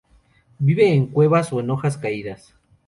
Viven en cuevas o en hojas caídas.